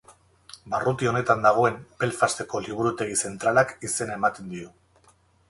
Barruti honetan dagoen Belfasteko Liburutegi Zentralak izena ematen dio.